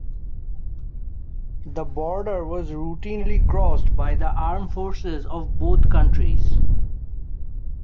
The border was routinely crossed by the armed forces of both countries.